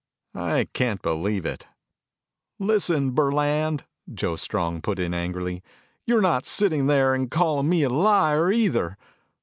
I can't believe it." "Listen, Burland," Joe Strong put in angrily, "you're not sitting there and calling me a liar, either.